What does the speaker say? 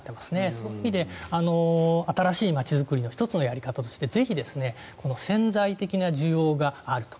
そういう意味で１つの街づくりの新しいやり方としてぜひこの潜在的な需要があると。